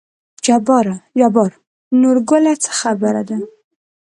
جبار: نورګله څه خبره ده.